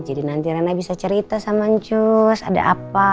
jadi nanti ren bisa cerita sama njus ada apa